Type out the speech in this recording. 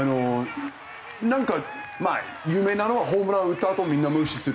なんかまあ有名なのはホームラン打ったあとみんな無視するとか。